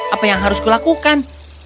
apa yang harus kulakukan